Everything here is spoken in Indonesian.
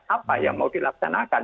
apa yang mau dilaksanakan